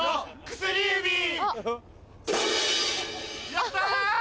やった！